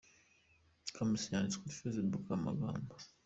Kamichi yanditse kuri facebook aya magambo.